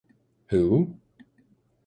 Who?